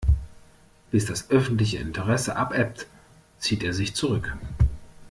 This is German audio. Bis das öffentliche Interesse abebbt, zieht er sich zurück.